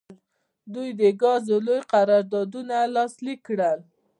دوی د ګازو لوی قراردادونه لاسلیک کړل.